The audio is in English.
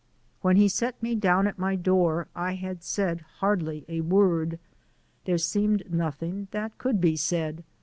When he set me down at my door, I had said hardly a word. There seemed nothing that could be said.